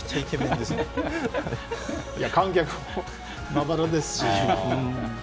観客もまばらですし。